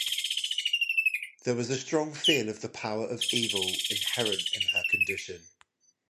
There was a strong feel of the power of evil inherent in her condition.